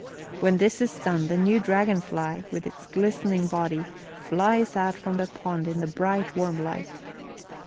When this is done the new dragon fly, with its glistening body, flies out from the pond in the bright, warm light."